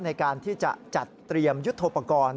ในการที่จะจัดเตรียมยุทธโปรกรณ์